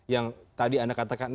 yang tadi anda katakan